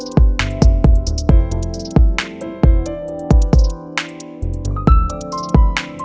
hẹn gặp lại